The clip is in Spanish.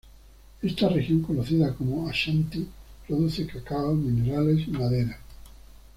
Esta región, conocida como Ashanti, produce cacao, minerales y madera.